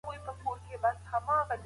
زه د انار په خوړلو بوخت یم.